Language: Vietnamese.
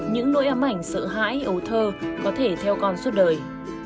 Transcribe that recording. những nỗi ám ảnh sợ hãi ấu thơ có thể theo con suốt đời